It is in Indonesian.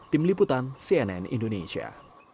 tim liputan cnn indonesia